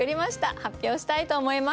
発表したいと思います。